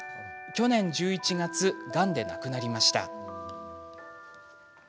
去年１１月がんで亡くなりました。